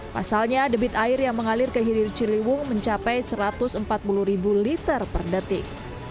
pasalnya debit air yang mengalir ke hilir ciliwung mencapai satu ratus empat puluh ribu liter per detik